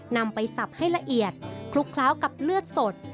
นำไปสับให้ละเอียดคลุกเคล้ากับเลือดสด